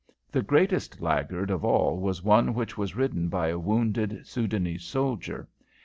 The greatest laggard of all was one which was ridden by a wounded Soudanese soldier.